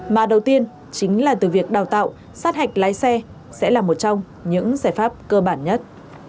mà đầu tiên chính là từ việc đào tạo sát hạch lái xe sẽ là một trong những giải pháp cơ bản nhất